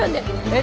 え？